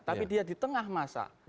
tapi dia di tengah masa